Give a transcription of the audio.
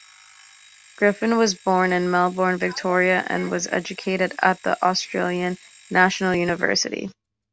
Griffin was born in Melbourne, Victoria, and was educated at the Australian National University.